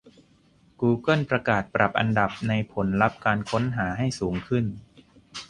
กูเกิลประกาศปรับอันดับในผลลัพธ์การค้นหาให้สูง ขึ้น